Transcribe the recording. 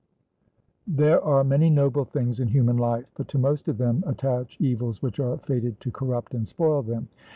There are many noble things in human life, but to most of them attach evils which are fated to corrupt and spoil them.